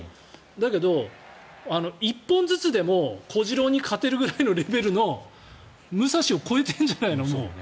だけど、１本ずつでも小次郎に勝てるぐらいのレベルのもう武蔵を超えてるんじゃないの。